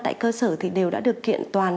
tại cơ sở thì đều đã được kiện toàn